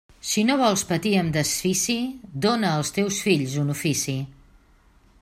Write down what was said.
Si no vols patir amb desfici, dóna als teus fills un ofici.